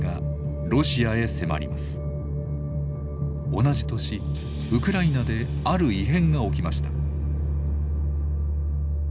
同じ年ウクライナである異変が起きました。